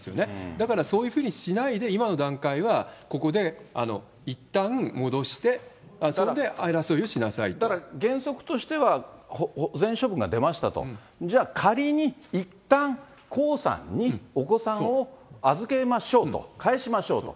だからそういうふうにしないで、今の段階はここでいったん戻して、だから原則としては、保全処分が出ましたと、じゃあ、仮にいったん江さんにお子さんを預けましょうと、返しましょうと。